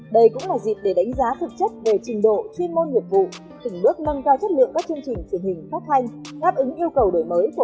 đây cũng là dịp để đánh giá thực chất về trình độ chuyên môn nhiệm vụ